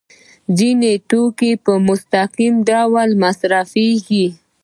ځینې توکي په مستقیم ډول په مصرف رسیږي.